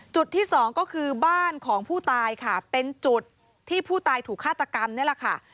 จุดที่สองก็คือบ้านของผู้ตายค่ะเป็นจุดที่ผู้ตายถูกฆาตกรรมนี่แหละค่ะ